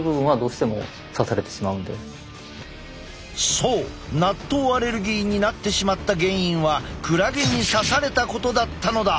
そう納豆アレルギーになってしまった原因はクラゲに刺されたことだったのだ。